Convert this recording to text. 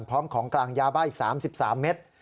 พร้อมของกลางยาบ้าอีก๓๓เมตร